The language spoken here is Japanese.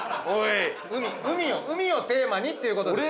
海をテーマにっていうことで。